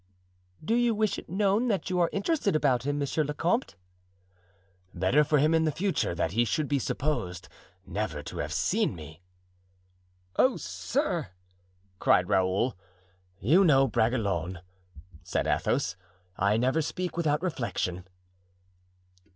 "Do you wish it known that you are interested about him, monsieur le comte?" "Better for him in future that he should be supposed never to have seen me." "Oh, sir!" cried Raoul. "You know, Bragelonne," said Athos, "I never speak without reflection."